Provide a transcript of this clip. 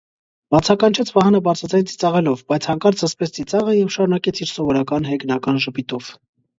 - բացականչեց Վահանը բարձրաձայն ծիծաղելով, բայց հանկարծ զսպեց ծիծաղը և շարունակեց իր սովորական հեգնական ժպիտով: